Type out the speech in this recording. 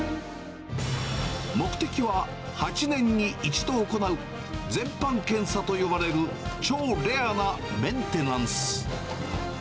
目的は、８年に１度行う、全般検査と呼ばれる超レアなメンテナンス。